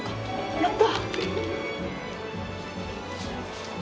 やった！